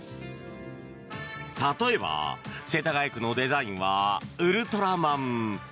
例えば、世田谷区のデザインはウルトラマン。